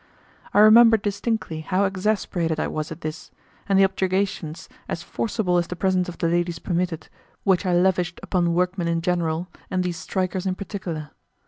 I remember distinctly how exasperated I was at this, and the objurgations, as forcible as the presence of the ladies permitted, which I lavished upon workmen in general, and these strikers in particular.